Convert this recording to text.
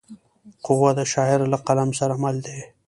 قهوه د شاعر له قلم سره مل ده